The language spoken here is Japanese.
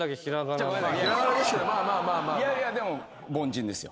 いやいやでも「凡人」ですよ。